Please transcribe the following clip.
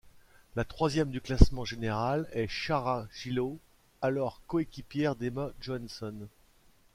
La troisième du classement général est Shara Gillow alors coéquipière d'Emma Johansson.